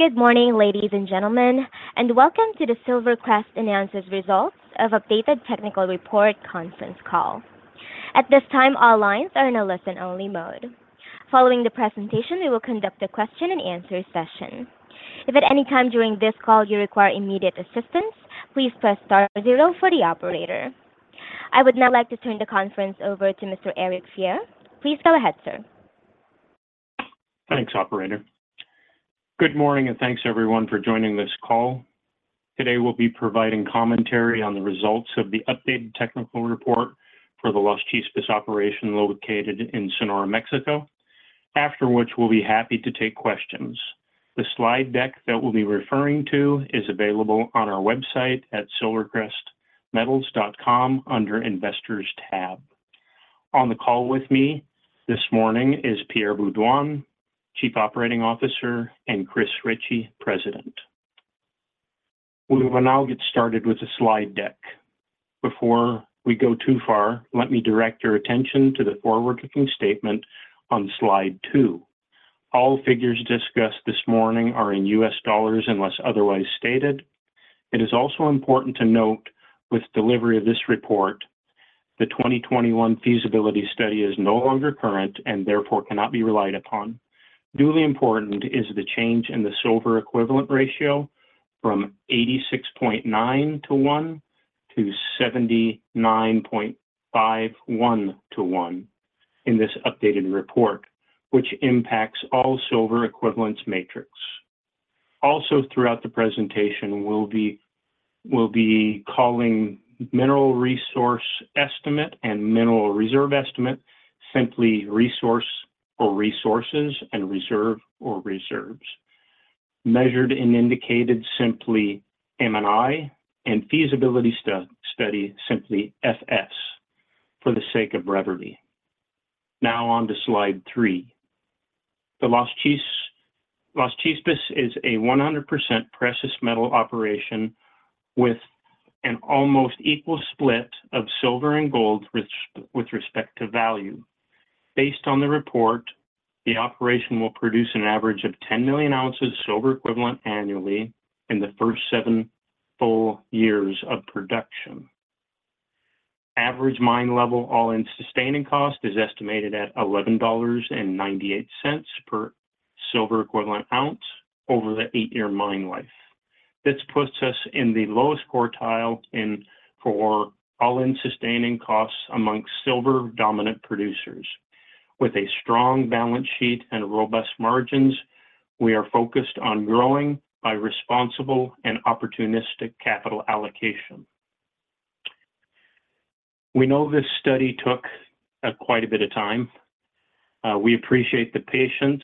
Good morning, ladies and gentlemen, welcome to the SilverCrest announces results of updated technical report conference call. At this time, all lines are in a listen-only mode. Following the presentation, we will conduct a question and answer session. If at any time during this call you require immediate assistance, please press star zero for the operator. I would now like to turn the conference over to Mr. Eric Fier. Please go ahead, sir. Thanks, operator. Good morning, thanks everyone for joining this call. Today, we'll be providing commentary on the results of the updated technical report for the Las Chispas operation located in Sonora, Mexico. After which, we'll be happy to take questions. The slide deck that we'll be referring to is available on our website at silvercrestmetals.com under Investors tab. On the call with me this morning is Pierre Beaudoin, Chief Operating Officer, and Chris Ritchie, President. We will now get started with the slide deck. Before we go too far, let me direct your attention to the forward-looking statement on slide one. All figures discussed this morning are in U.S. dollar, unless otherwise stated. It is also important to note, with delivery of this report, the 2021 feasibility study is no longer current and therefore cannot be relied upon. Duly important is the change in the silver equivalent ratio from 86.9:1 to 79.51:1 in this updated report, which impacts all silver equivalent matrix. Throughout the presentation, we'll be calling the mineral resource estimate and mineral reserve estimate, simply resource or resources and reserve or reserves. Measured and indicated simply M&I, feasibility study, simply FS, for the sake of brevity. On to slide three. The Las Chispas is a 100% precious metal operation with an almost equal split of silver and gold with respect to value. Based on the report, the operation will produce an average of 10 million ounces silver equivalent annually in the first seven full years of production. Average mine-level, all-in sustaining cost is estimated at $11.98 per silver equivalent ounce over the eight-year mine life. This puts us in the lowest quartile for all-in sustaining costs amongst silver-dominant producers. With a strong balance sheet and robust margins, we are focused on growing by responsible and opportunistic capital allocation. We know this study took quite a bit of time. We appreciate the patience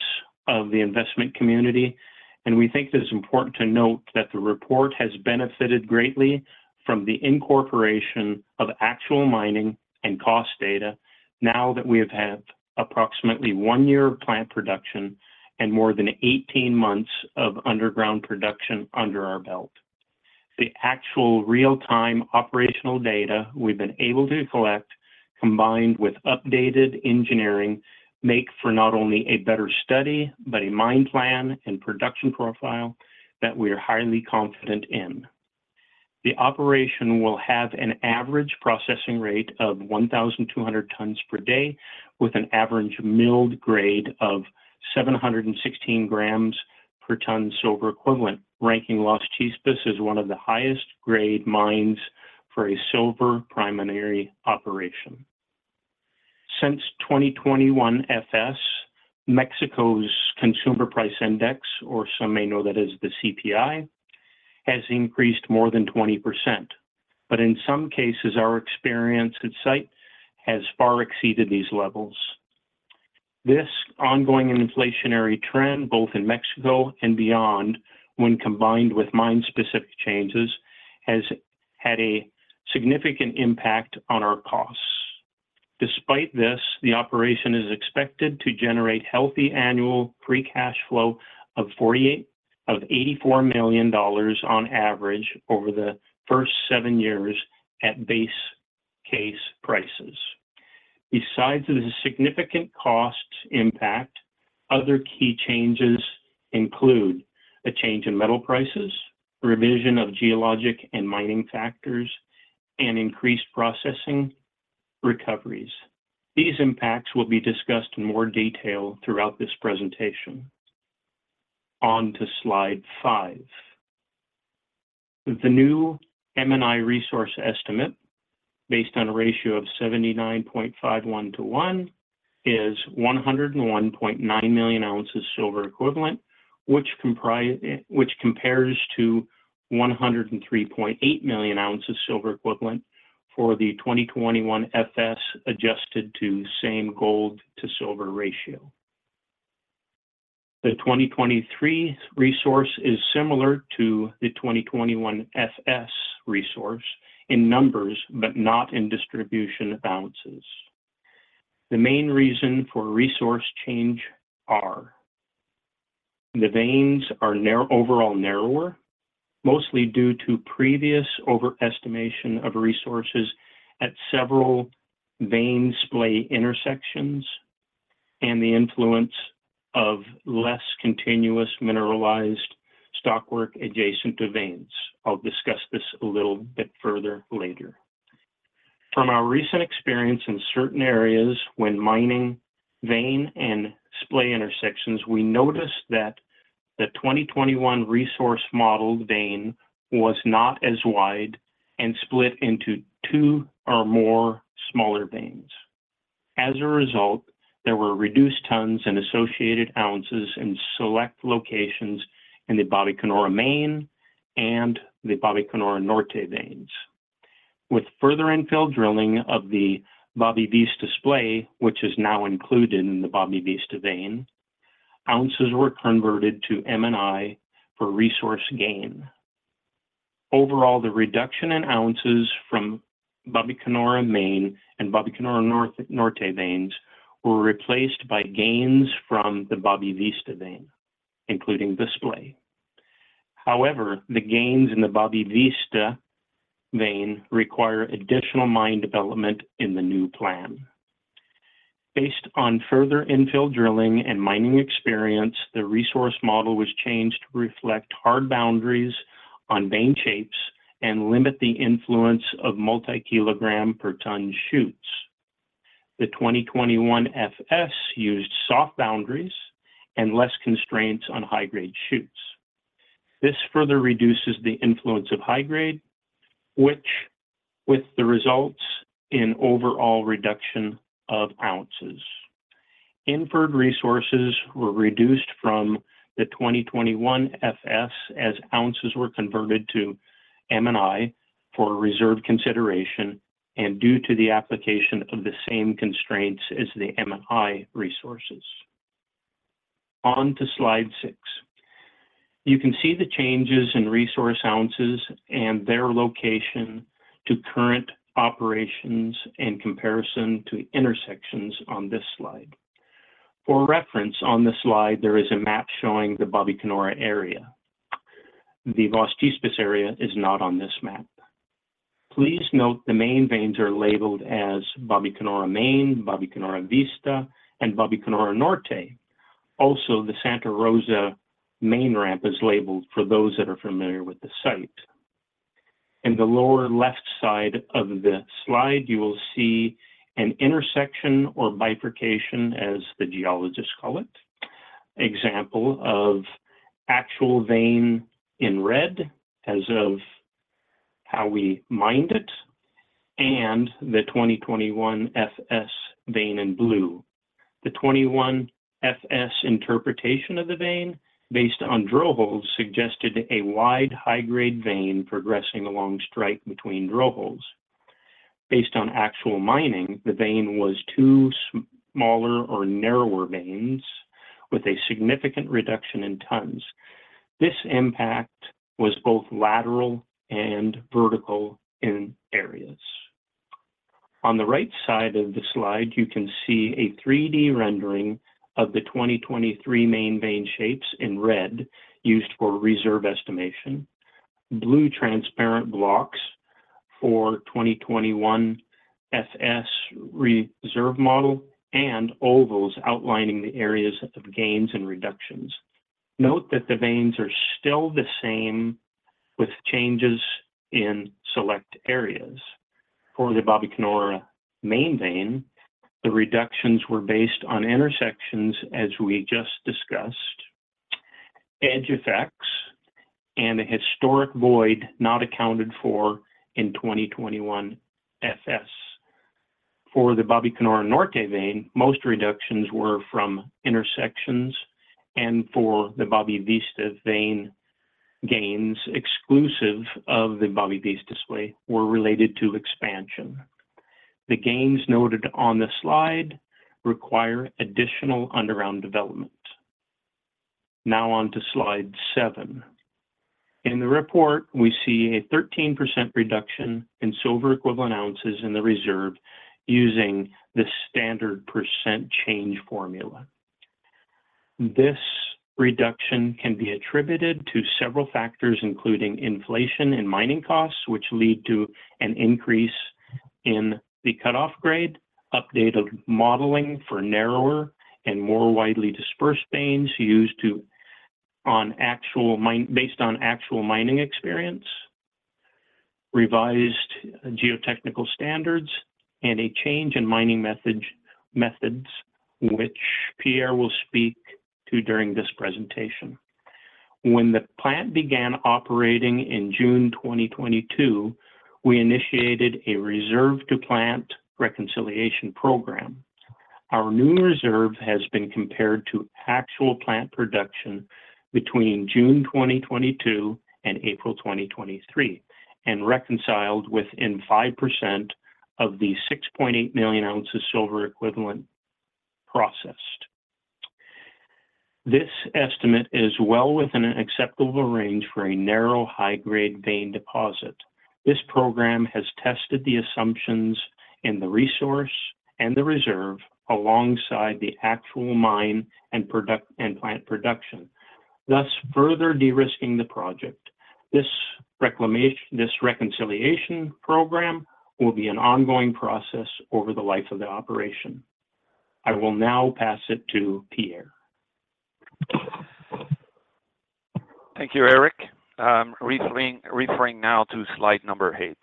of the investment community, and we think it's important to note that the report has benefited greatly from the incorporation of actual mining and cost data now that we have had approximately one year of plant production and more than 18 months of underground production under our belt. The actual real-time operational data we've been able to collect, combined with updated engineering, make for not only a better study, but a mine plan and production profile that we are highly confident in. The operation will have an average processing rate of 1,200 tons per day, with an average milled grade of 716 g per ton silver equivalent, ranking Las Chispas as one of the highest grade mines for a silver primary operation. Since 2021 FS, Mexico's Consumer Price Index, or some may know that as the CPI, has increased more than 20%. In some cases, our experience at site has far exceeded these levels. This ongoing inflationary trend, both in Mexico and beyond, when combined with mine-specific changes, has had a significant impact on our costs. Despite this, the operation is expected to generate healthy annual free cash flow of $84 million on average over the first seven years at base case prices. Besides the significant cost impact, other key changes include a change in metal prices, revision of geologic and mining factors, and increased processing recoveries. These impacts will be discussed in more detail throughout this presentation. On to slide five. The new M&I resource estimate, based on a ratio of 79.5:1, is 101.9 million ounces silver equivalent, which compares to 103.8 million ounces silver equivalent for the 2021 FS, adjusted to same gold to silver ratio. The 2023 resource is similar to the 2021 FS resource in numbers, but not in distribution ounces. The main reasons for resource change are: the veins are overall narrower. Mostly due to previous overestimation of resources at several vein splay intersections and the influence of less continuous mineralized stockwork adjacent to veins. I'll discuss this a little bit further later. From our recent experience in certain areas, when mining vein and splay intersections, we noticed that the 2021 resource model vein was not as wide and split into two or more smaller veins. As a result, there were reduced tons and associated ounces in select locations in the Babicanora Main and the Babicanora Norte veins. With further infill drilling of the Babi Vista splay, which is now included in the Babi Vista vein, ounces were converted to M&I for resource gain. Overall, the reduction in ounces from Babicanora Main and Babicanora North, Norte veins were replaced by gains from the Babi Vista vein, including splay. However, the gains in the Babi Vista vein require additional mine development in the new plan. Based on further infill drilling and mining experience, the resource model was changed to reflect hard boundaries on vein shapes and limit the influence of multi-kilogram per ton shoots. The 2021 FS used soft boundaries and less constraints on high-grade shoots. This further reduces the influence of high grade, which results in overall reduction of ounces. Inferred resources were reduced from the 2021 FS as ounces were converted to M&I for reserve consideration and due to the application of the same constraints as the M&I resources. On to slide six. You can see the changes in resource ounces and their location to current operations in comparison to intersections on this slide. For reference, on this slide, there is a map showing the Babicanora area. The Las Chispas area is not on this map. Please note, the main veins are labeled as Babicanora Main, Babicanora Vista, and Babicanora Norte. Also, the Santa Rosa main ramp is labeled for those that are familiar with the site. In the lower left side of the slide, you will see an intersection or bifurcation, as the geologists call it. Example of actual vein in red as of how we mined it, and the 2021 FS vein in blue. The 2021 FS interpretation of the vein, based on drill holes, suggested a wide, high-grade vein progressing along strike between drill holes. Based on actual mining, the vein was two smaller or narrower veins with a significant reduction in tons. This impact was both lateral and vertical in areas. On the right side of the slide, you can see a 3D rendering of the 2023 main vein shapes in red used for reserve estimation, blue transparent blocks for 2021 FS reserve model, and ovals outlining the areas of gains and reductions. Note that the veins are still the same, with changes in select areas. For the Babicanora Main vein, the reductions were based on intersections, as we just discussed, edge effects, and a historic void not accounted for in 2021 FS. For the Babicanora Norte vein, most reductions were from intersections, and for the Babi Vista vein, gains exclusive of the Babi Vista splay were related to expansion. The gains noted on the slide require additional underground development. On to slide seven. In the report, we see a 13% reduction in silver equivalent ounces in the reserve using the standard percent change formula. This reduction can be attributed to several factors, including inflation and mining costs, which lead to an increase in the cut-off grade, updated modeling for narrower and more widely dispersed veins used to, based on actual mining experience, revised geotechnical standards, and a change in mining method, methods, which Pierre will speak to during this presentation. When the plant began operating in June 2022, we initiated a reserve to plant reconciliation program. Our new reserve has been compared to actual plant production between June 2022 and April 2023, and reconciled within 5% of the 6.8 million ounces silver equivalent processed. This estimate is well within an acceptable range for a narrow, high-grade vein deposit. This program has tested the assumptions in the resource and the reserve alongside the actual mine and plant production, thus further de-risking the project. This reconciliation program will be an ongoing process over the life of the operation. I will now pass it to Pierre. Thank you, Eric. Referring now to slide number eight.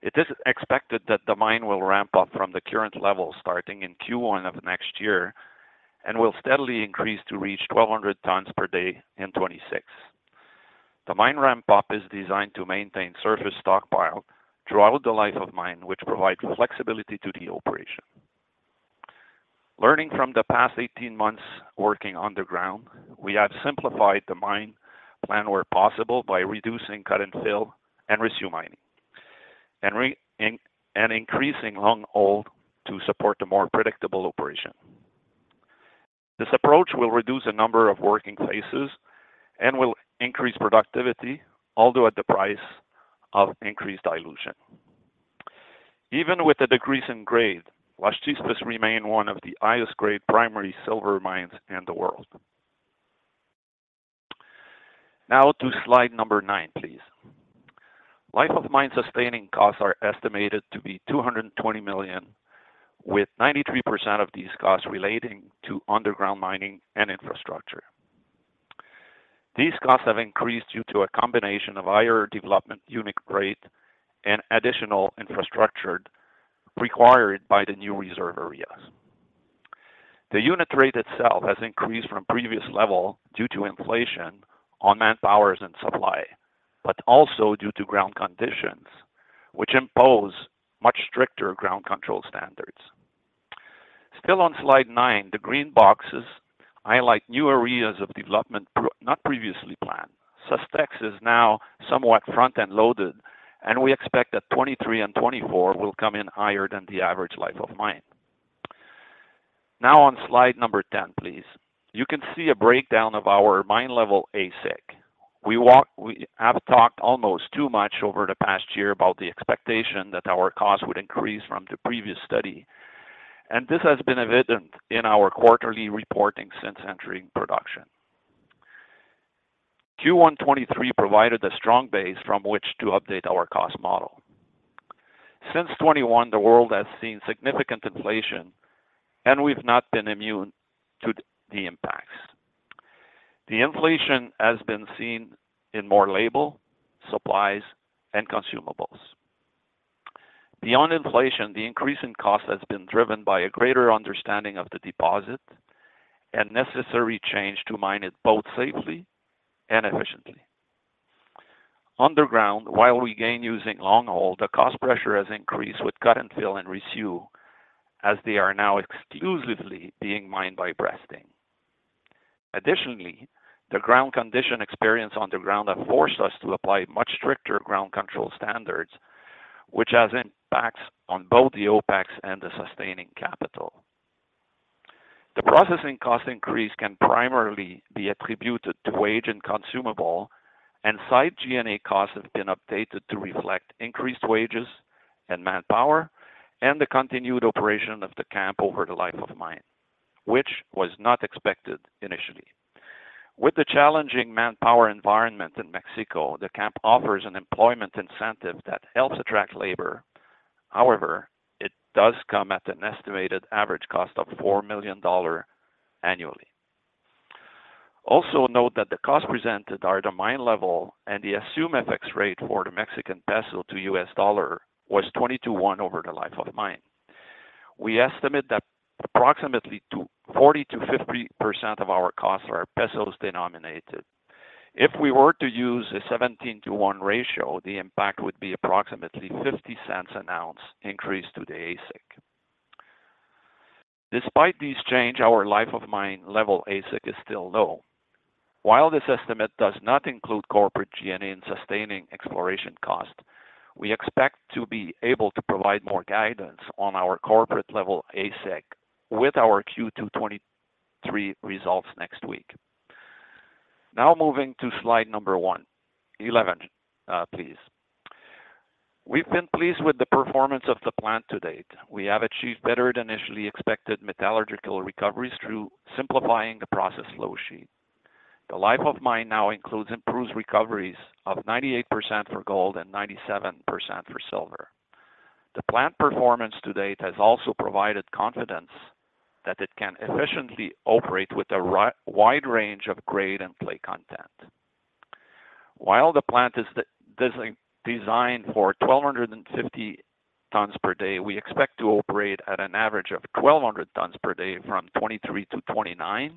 It is expected that the mine will ramp up from the current level, starting in Q1 of next year, and will steadily increase to reach 1,200 tons per day in 2026. The mine ramp-up is designed to maintain surface stockpile throughout the life of mine, which provides flexibility to the operation. Learning from the past 18 months working underground, we have simplified the mine plan where possible, by reducing cut-and-fill and resue mining, and increasing long-hole to support the more predictable operation. This approach will reduce the number of working places and will increase productivity, although at the price of increased dilution. Even with the decrease in grade, Las Chispas remain one of the highest grade primary silver mines in the world. Now to slide number nine, please. Life of mine sustaining costs are estimated to be $220 million, with 93% of these costs relating to underground mining and infrastructure. These costs have increased due to a combination of higher development unit rate and additional infrastructure required by the new reserve areas. The unit rate itself has increased from the previous level due to inflation on man-hours and supply, but also due to ground conditions, which impose much stricter ground control standards. Still on slide nine, the green boxes highlight new areas of development not previously planned. Sustaining CaPex is now somewhat front and loaded, and we expect that 2023 and 2024 will come in higher than the average life of mine. On slide 10, please. You can see a breakdown of our mine-level AISC. We have talked almost too much over the past year about the expectation that our costs would increase from the previous study, and this has been evident in our quarterly reporting since entering production. Q1 2023 provided a strong base from which to update our cost model. Since 2021, the world has seen significant inflation, and we've not been immune to the, the impacts. The inflation has been seen in more labor, supplies, and consumables. Beyond inflation, the increase in cost has been driven by a greater understanding of the deposit and necessary change to mine it, both safely and efficiently. Underground, while we gain using long-hole, the cost pressure has increased with cut-and-fill and resue, as they are now exclusively being mined by breasting. Additionally, the ground condition experience on the ground have forced us to apply much stricter ground control standards, which has impacts on both the OPEX and the sustaining capital. The processing cost increase can primarily be attributed to wage and consumable, site G&A costs have been updated to reflect increased wages and manpower, and the continued operation of the camp over the life of mine, which was not expected initially. With the challenging manpower environment in Mexico, the camp offers an employment incentive that helps attract labor. It does come at an estimated average cost of $4 million annually. Note that the costs presented are the mine-level, and the assumed FX rate for the Mexican peso to U.S. dollar was 20:1 over the life of the mine. We estimate that approximately 40%-50% of our costs are pesos denominated. If we were to use a 17:1 ratio, the impact would be approximately $0.50 an ounce increase to the AISC. Despite this change, our life of mine-level AISC is still low. While this estimate does not include corporate G&A and sustaining exploration costs, we expect to be able to provide more guidance on our corporate level AISC, with our Q2 2023 results next week. Moving to slide number 11, please. We've been pleased with the performance of the plant to date. We have achieved better than initially expected metallurgical recoveries through simplifying the process flow sheet. The life of mine now includes improved recoveries of 98% for gold and 97% for silver. The plant performance to date has also provided confidence that it can efficiently operate with a wide range of grade and clay content. While the plant is designed for 1,250 tons per day, we expect to operate at an average of 1,200 tons per day, from 2023-2029,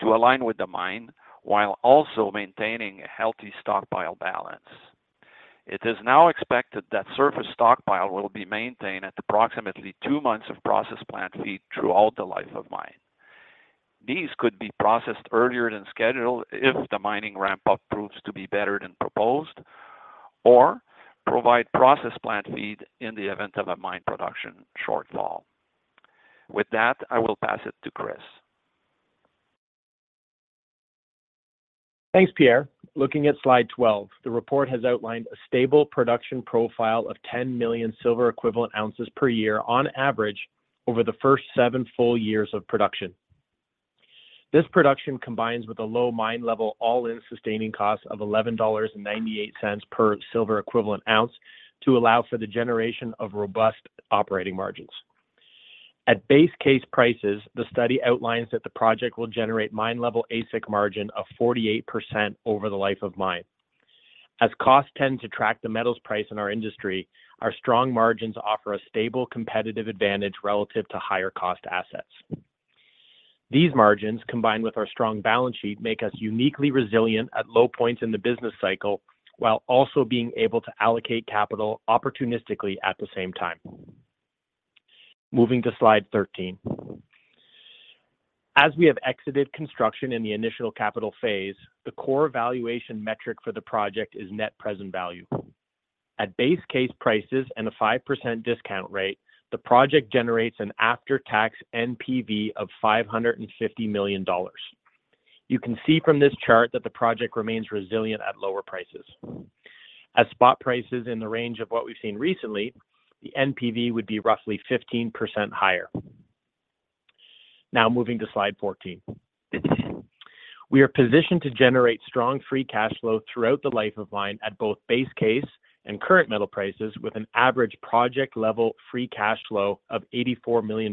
to align with the mine, while also maintaining a healthy stockpile balance. It is now expected that surface stockpile will be maintained at approximately two months of process plant feed throughout the life of mine. These could be processed earlier than scheduled if the mining ramp-up proves to be better than proposed, or provide process plant feed in the event of a mine production shortfall. With that, I will pass it to Chris. Thanks, Pierre. Looking at slide 12, the report has outlined a stable production profile of 10 million silver equivalent ounces per year on average over the first seven full years of production. This production combines with a low mine-level all-in sustaining costs of $11.98 per silver equivalent ounce to allow for the generation of robust operating margins. At base case prices, the study outlines that the project will generate mine-level AISC margin of 48% over the life of mine. As costs tend to track the metals price in our industry, our strong margins offer a stable, competitive advantage relative to higher cost assets. These margins, combined with our strong balance sheet, make us uniquely resilient at low points in the business cycle, while also being able to allocate capital opportunistically at the same time. Moving to slide 13. As we have exited construction in the initial capital phase, the core valuation metric for the project is net present value. At base case prices and a 5% discount rate, the project generates an after-tax NPV of $550 million. You can see from this chart that the project remains resilient at lower prices. At spot prices in the range of what we've seen recently, the NPV would be roughly 15% higher. Moving to slide 14. We are positioned to generate strong free cash flow throughout the life of mine at both base case and current metal prices, with an average project-level free cash flow of $84 million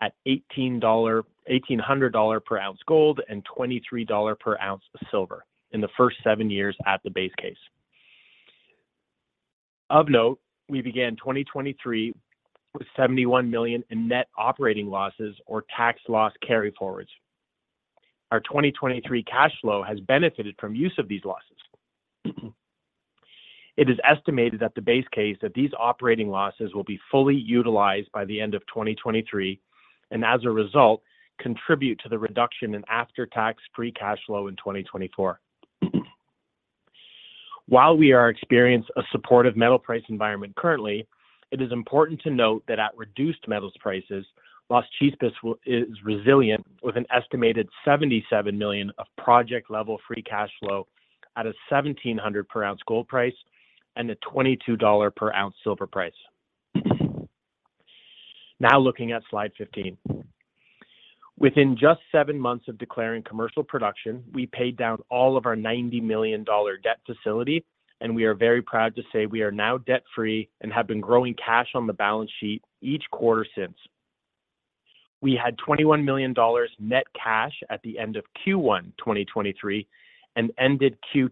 at $1,800 per ounce gold and $23 per ounce silver in the first seven years at the base case. Of note, we began 2023 with $71 million in net operating losses or tax loss carryforwards. Our 2023 cash flow has benefited from use of these losses. It is estimated that the base case, that these operating losses will be fully utilized by the end of 2023, and as a result, contribute to the reduction in after-tax free cash flow in 2024. While we are experiencing a supportive metal price environment currently, it is important to note that at reduced metals prices, Las Chispas is resilient, with an estimated $77 million of project-level free cash flow at a $1,700 per ounce gold price and a $22 per ounce silver price. Now looking at slide 15. Within just seven months of declaring commercial production, we paid down all of our $90 million debt facility, and we are very proud to say we are now debt-free and have been growing cash on the balance sheet each quarter since. We had $21 million net cash at the end of Q1 2023 and ended Q2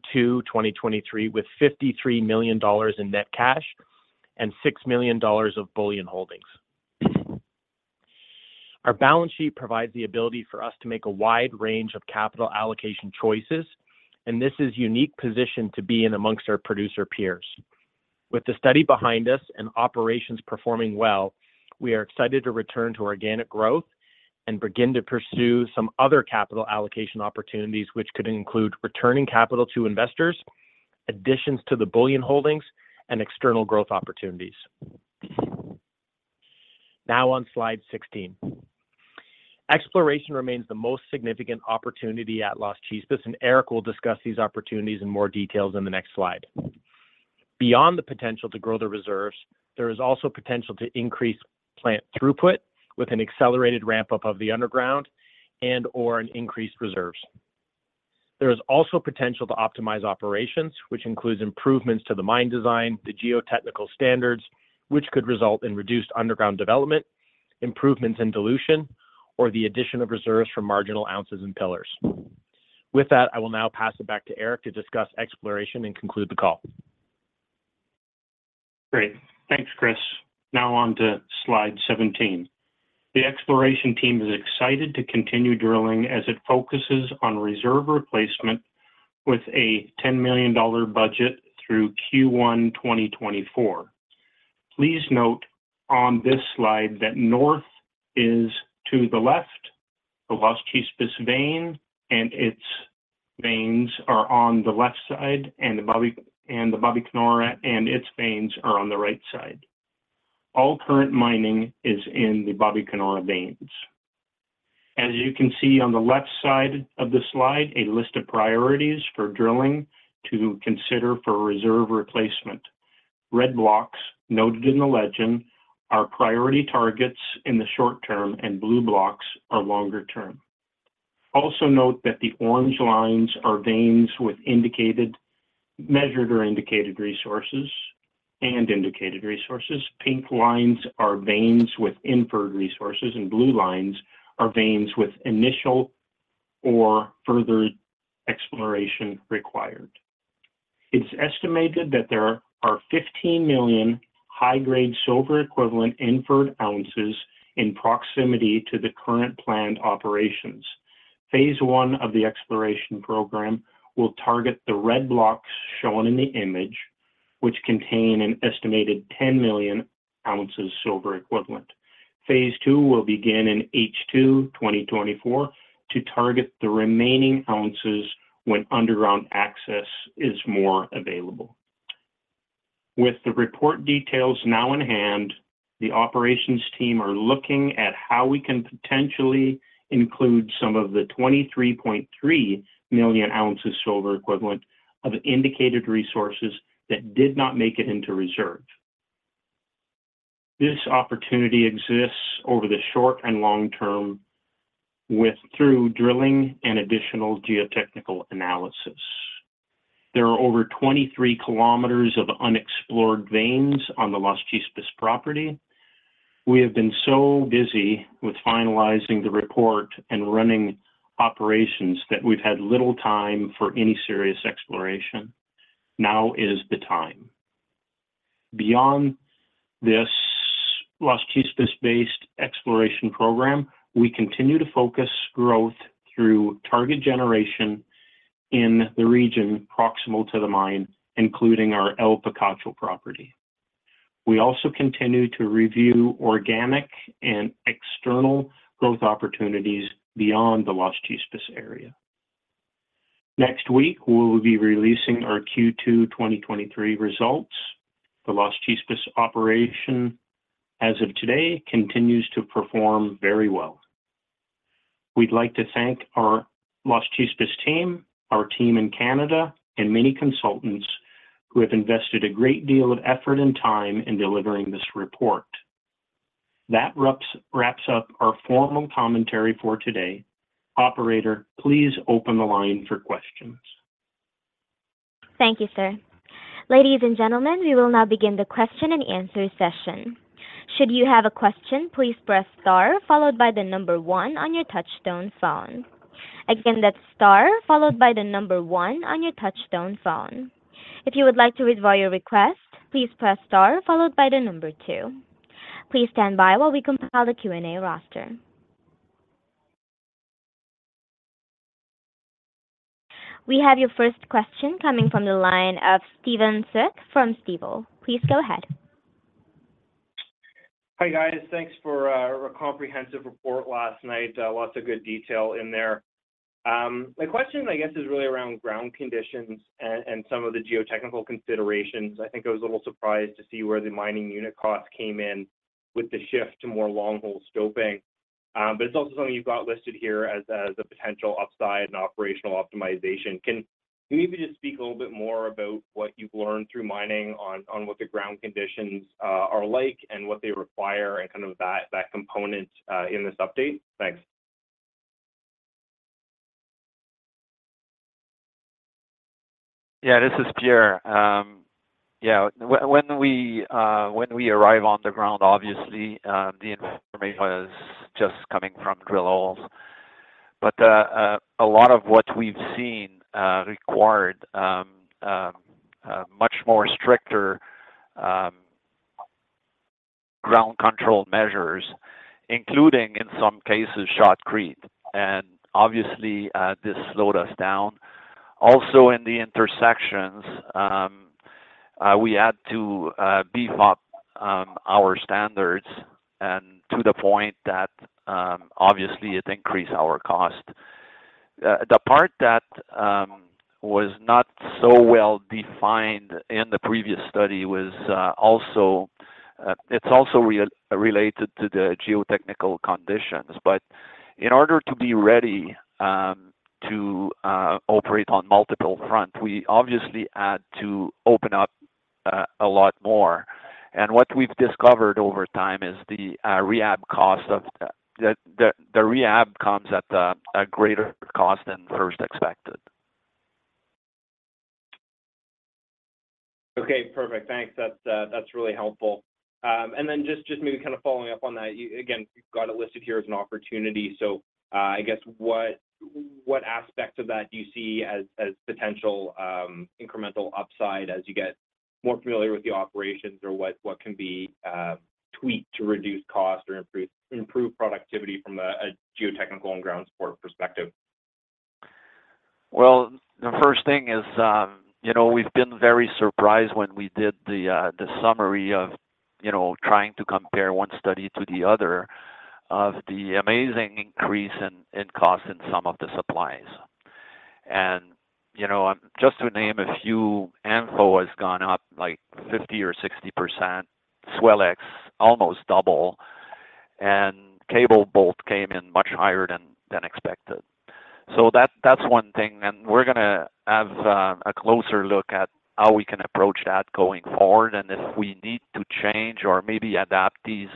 2023 with $53 million in net cash and $6 million of bullion holdings. Our balance sheet provides the ability for us to make a wide range of capital allocation choices, and this is unique position to be in amongst our producer peers. With the study behind us and operations performing well, we are excited to return to organic growth and begin to pursue some other capital allocation opportunities, which could include returning capital to investors, additions to the bullion holdings, and external growth opportunities. On slide 16. Exploration remains the most significant opportunity at Las Chispas, Eric will discuss these opportunities in more details in the next slide. Beyond the potential to grow the reserves, there is also potential to increase plant throughput with an accelerated ramp-up of the underground and/or an increased reserves. There is also potential to optimize operations, which includes improvements to the mine design, the geotechnical standards, which could result in reduced underground development, improvements in dilution, or the addition of reserves from marginal ounces and pillars. With that, I will now pass it back to Eric to discuss exploration and conclude the call. Great. Thanks, Chris. On to slide 17. The exploration team is excited to continue drilling as it focuses on reserve replacement with a $10 million budget through Q1, 2024. Please note on this slide that north is to the left, the Las Chispas vein and its veins are on the left side, and the Babicanora and its veins are on the right side. All current mining is in the Babicanora veins. As you can see on the left side of the slide, a list of priorities for drilling to consider for reserve replacement. Red blocks noted in the legend are priority targets in the short term, blue blocks are longer term. Also note that the orange lines are veins with measured or indicated resources, indicated resources. Pink lines are veins with inferred resources, blue lines are veins with initial or further exploration required. It's estimated that there are 15 million high-grade silver equivalent inferred ounces in proximity to the current planned operations. Phase I of the exploration program will target the red blocks shown in the image, which contain an estimated 10 million ounces silver equivalent. Phase II will begin in H2, 2024, to target the remaining ounces when underground access is more available. With the report details now in hand, the operations team are looking at how we can potentially include some of the 23.3 million ounces silver equivalent of indicated resources that did not make it into reserve. This opportunity exists over the short and long term with, through drilling and additional geotechnical analysis. There are over 23 km of unexplored veins on the Las Chispas property. We have been so busy with finalizing the report and running operations that we've had little time for any serious exploration. Now is the time. Beyond this Las Chispas-based exploration program, we continue to focus growth through target generation in the region proximal to the mine, including our El Picacho property. We also continue to review organic and external growth opportunities beyond the Las Chispas area. Next week, we will be releasing our Q2 2023 results. The Las Chispas operation, as of today, continues to perform very well. We'd like to thank our Las Chispas team, our team in Canada, and many consultants who have invested a great deal of effort and time in delivering this report. That wraps up our formal commentary for today. Operator, please open the line for questions. Thank you, sir. Ladies and gentlemen, we will now begin the question and answer session. Should you have a question, please press star followed by one on your touch-tone phone. Again, that's star followed by one on your touch-tone phone. If you would like to withdraw your request, please press star followed by two. Please stand by while we compile the Q&A roster. We have your first question coming from the line of Stephen Sze from Stifel. Please go ahead. Hi, guys. Thanks for a comprehensive report last night. Lots of good detail in there. My question, I guess, is really around ground conditions and, and some of the geotechnical considerations. I think I was a little surprised to see where the mining unit cost came in with the shift to more long-hole stoping. It's also something you've got listed here as, as a potential upside and operational optimization. Can you maybe just speak a little bit more about what you've learned through mining on, on what the ground conditions are like and what they require and kind of that, that component in this update? Thanks. Yeah, this is Pierre. When we arrive on the ground, obviously, the information was just coming from drill holes. A lot of what we've seen required much more stricter ground control measures, including, in some cases, shotcrete. Obviously, this slowed us down. Also, in the intersections, we had to beef up our standards and to the point that obviously it increased our cost. The part that was not so well-defined in the previous study was also, it's also related to the geotechnical conditions. In order to be ready to operate on multiple front, we obviously had to open up a lot more. What we've discovered over time is the rehab cost of the rehab comes at a greater cost than first expected. Okay, perfect. Thanks. That's, that's really helpful. Then just, just maybe kind of following up on that, you again, you've got it listed here as an opportunity. I guess what, what aspect of that do you see as, as potential, incremental upside as you get more familiar with the operations, or what, what can be, tweaked to reduce cost or improve, improve productivity from a, a geotechnical and ground support perspective? Well, the first thing is, you know, we've been very surprised when we did the summary of, you know, trying to compare one study to the other, of the amazing increase in, in cost in some of the supplies. You know, just to name a few, ANFO has gone up, like, 50% or 60%, Swellex almost double, and cable bolt came in much higher than expected. That's one thing, and we're gonna have a closer look at how we can approach that going forward and if we need to change or maybe adapt these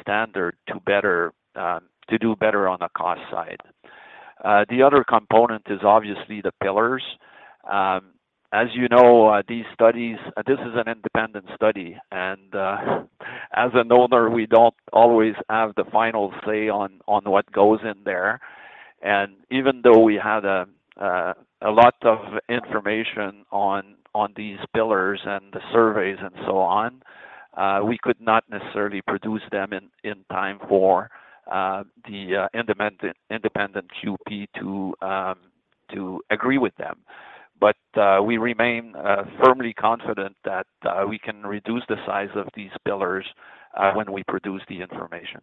standards to better to do better on the cost side. The other component is obviously the pillars. As you know, this is an independent study, and as an owner, we don't always have the final say on what goes in there. Even though we had a lot of information on these pillars and the surveys and so on, we could not necessarily produce them in time for the independent QP to agree with them. We remain firmly confident that we can reduce the size of these pillars when we produce the information.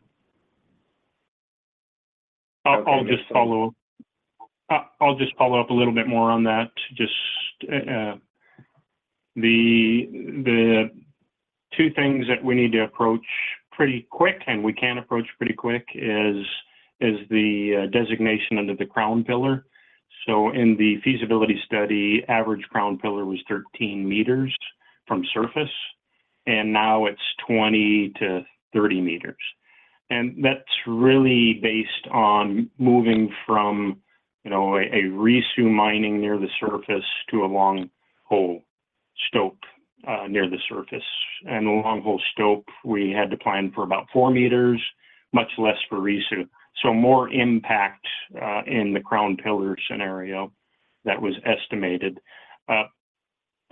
I'll just follow up. I'll just follow up a little bit more on that. Just, the two things that we need to approach pretty quick, and we can approach pretty quick, is the designation under the crown pillar. In the feasibility study, average crown pillar was 13 m from surface, and now it's 20 m-30 m. That's really based on moving from, you know, a resue mining near the surface to a long-hole stope near the surface. The long-hole stope, we had to plan for about 4 m, much less for resue. More impact in the crown pillar scenario that was estimated.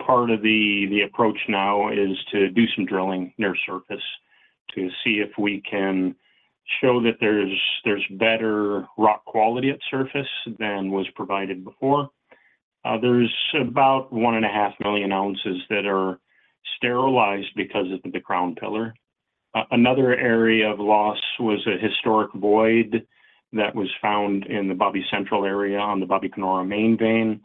Part of the, the approach now is to do some drilling near surface to see if we can show that there's, there's better rock quality at surface than was provided before. There's about 1.5 million ounces that are sterilized because of the crown pillar. Another area of loss was a historic void that was found in the Babicanora Central area on the Babicanora Main vein,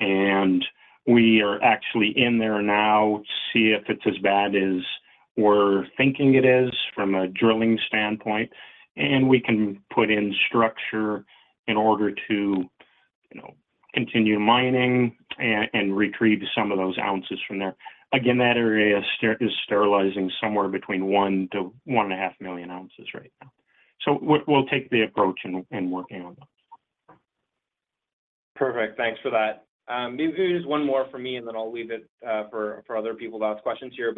and we are actually in there now to see if it's as bad as we're thinking it is from a drilling standpoint. We can put in structure in order to, you know, continue mining and retrieve some of those ounces from there. Again, that area is sterilizing somewhere between 1 million-1.5 million ounces right now. We'll take the approach and, and working on that. Perfect. Thanks for that. Maybe just one more for me, and then I'll leave it for, for other people to ask questions here.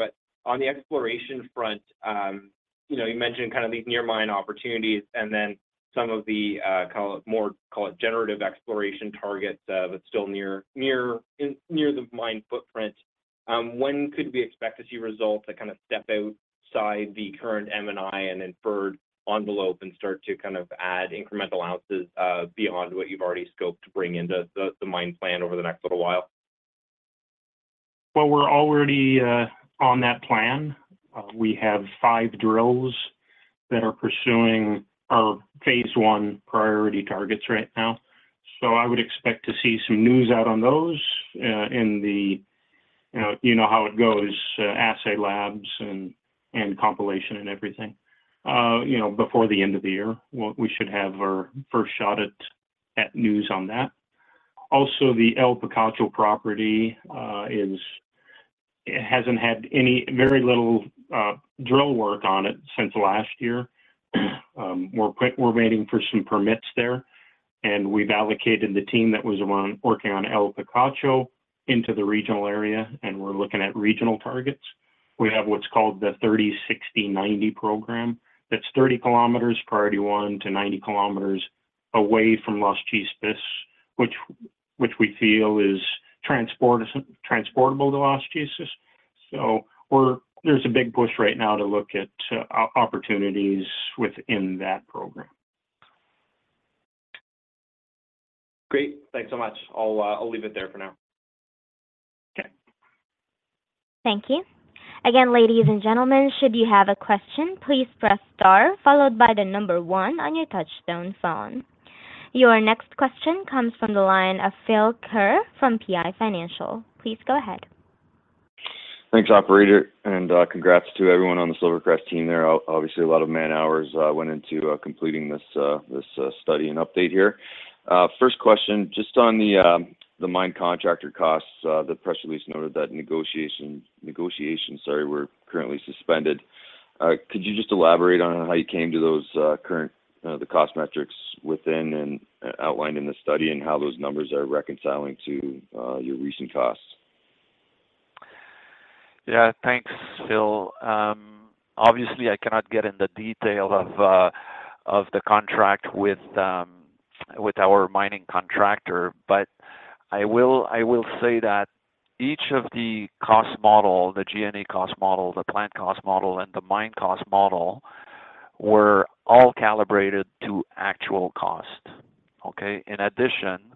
On the exploration front, you know, you mentioned kind of these near mine opportunities and then some of the, call it more, call it generative exploration targets, but still near, near, in, near the mine footprint. When could we expect to see results that kind of step outside the current M&I and inferred envelope and start to kind of add incremental ounces beyond what you've already scoped to bring into the, the mine plan over the next little while? Well, we're already on that plan. We have five drills that are pursuing our phase one priority targets right now. I would expect to see some news out on those in you know how it goes, assay labs and, and compilation and everything. You know, before the end of the year, we, we should have our first shot at, at news on that. Also, the El Picacho property, very little drill work on it since last year. We're waiting for some permits there, and we've allocated the team that was on, working on El Picacho into the regional area, and we're looking at regional targets. We have what's called the 30-60-90 Program. That's 30 km, priority 1 km to 90 km away from Las Chispas, which we feel is transportable to Las Chispas. We're there's a big push right now to look at opportunities within that program. Great. Thanks so much. I'll, I'll leave it there for now. Okay. Thank you. Again, ladies and gentlemen, should you have a question, please press star followed by the number one on your touchtone phone. Your next question comes from the line of Philip Ker from PI Financial. Please go ahead. Thanks, operator, and, congrats to everyone on the SilverCrest team there. Obviously, a lot of man-hours went into completing this, this study and update here. First question, just on the mine contractor costs, the press release noted that negotiation were currently suspended. Could you just elaborate on how you came to those current the cost metrics within and outlined in the study, and how those numbers are reconciling to your recent costs? Yeah, thanks, Phil. Obviously, I cannot get into detail of the contract with our mining contractor, but I will, I will say that each of the cost model, the G&A cost model, the plant cost model, and the mine cost model, were all calibrated to actual cost. Okay? In addition,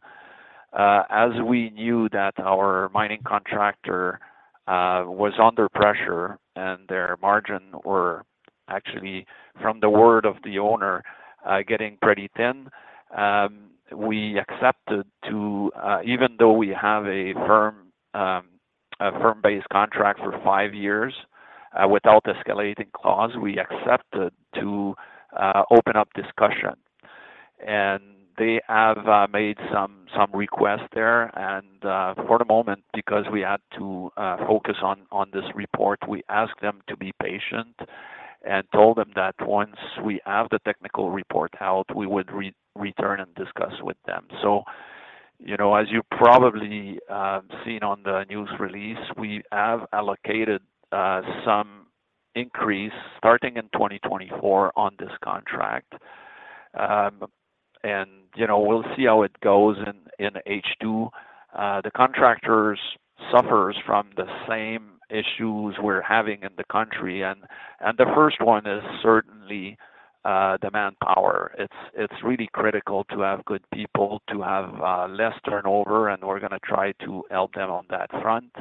as we knew that our mining contractor was under pressure and their margin were actually, from the word of the owner, getting pretty thin, even though we have a firm, a firm-based contract for five years, without escalating clause, we accepted to open up discussion. They have made some, some requests there, and for the moment, because we had to focus on, on this report, we asked them to be patient and told them that once we have the technical report out, we would return and discuss with them. You know, as you probably seen on the news release, we have allocated some increase starting in 2024 on this contract. You know, we'll see how it goes in, in H2. The contractors suffer from the same issues we're having in the country, and the first one is certainly the manpower. It's, it's really critical to have good people, to have less turnover, and we're going to try to help them on that front.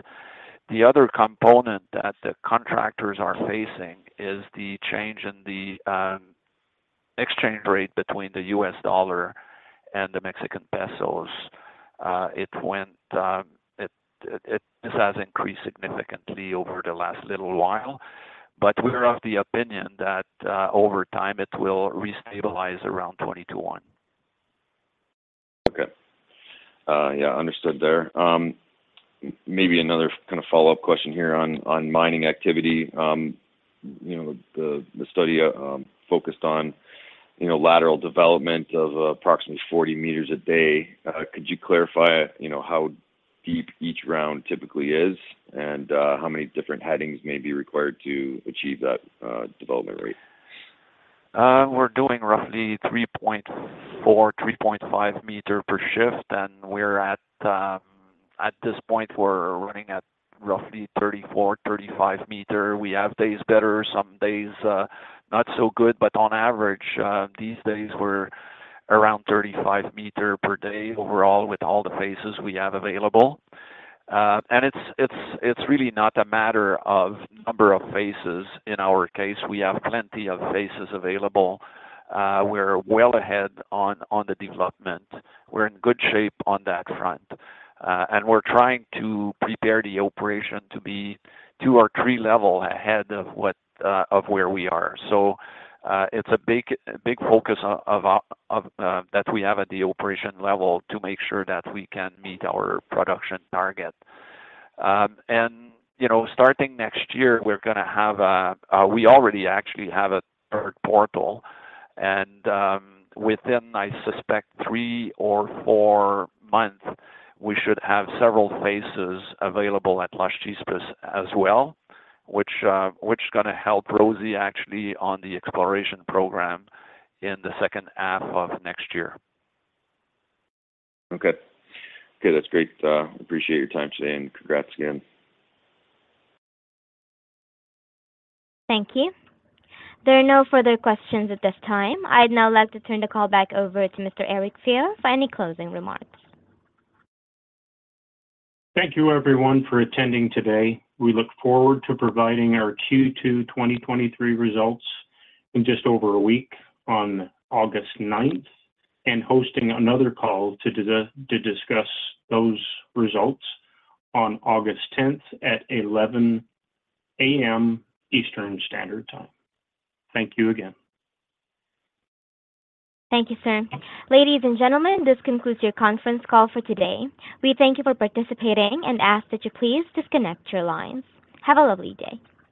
The other component that the contractors are facing is the change in the exchange rate between the U.S. dollar and the Mexican peso. This has increased significantly over the last little while. We are of the opinion that over time, it will restabilize around 20:1. Okay. Yeah, understood there. Maybe another kind of follow-up question here on, on mining activity. You know, the, the study focused on, you know, lateral development of approximately 40 m a day. Could you clarify, you know, how deep each round typically is, and how many different headings may be required to achieve that development rate? We're doing roughly 3.4 m, 3.5 m per shift, and at this point, we're running at roughly 34 m, 35 m. We have days better, some days not so good, but on average, these days we're around 35 m per day overall, with all the faces we have available. It's, it's, it's really not a matter of number of faces. In our case, we have plenty of faces available. We're well ahead on, on the development. We're in good shape on that front, and we're trying to prepare the operation to be two or three level ahead of what of where we are. It's a big, big focus of that we have at the operation level to make sure that we can meet our production target. You know, starting next year, we're gonna have a, we already actually have a third portal, and, within, I suspect three or four months, we should have several faces available at Las Chispas as well, which, which is gonna help Rosie actually on the exploration program in the H2 of next year. Okay. Okay, that's great, appreciate your time today, and congrats again. Thank you. There are no further questions at this time. I'd now like to turn the call back over to Mr. Eric Fier for any closing remarks. Thank you, everyone, for attending today. We look forward to providing our Q2 2023 results in just over a week, on August 9, and hosting another call to discuss those results on August 10 at 11:00 A.M. Eastern Standard Time. Thank you again. Thank you, sir. Ladies and gentlemen, this concludes your conference call for today. We thank you for participating and ask that you please disconnect your lines. Have a lovely day.